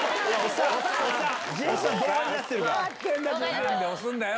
何で押すんだよ！